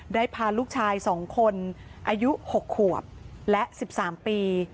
ได้พาลูกชาย๒คนอายุ๖ขวบและ๑๓ปี